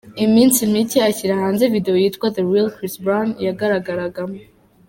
iminsi mike ashyira hanze video yitwa The Real Chris Brown yagaragaragamo.